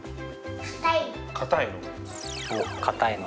かたいの。